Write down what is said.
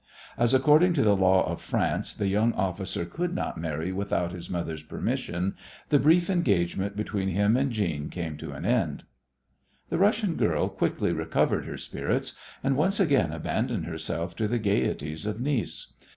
As according to the law of France the young officer could not marry without his mother's permission the brief engagement between him and Jeanne came to an end. The Russian girl quickly recovered her spirits and once again abandoned herself to the gaieties of Nice.